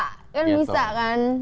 itu bisa kan